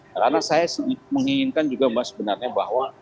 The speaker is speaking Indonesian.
karena saya menginginkan juga bahwa sebenarnya bahwa